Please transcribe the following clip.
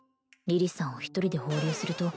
「リリスさんを一人で放流すると」